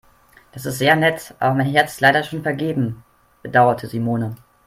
"Das ist sehr nett, aber mein Herz ist leider schon vergeben", bedauerte Simone.